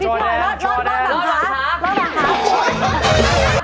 รอดขัก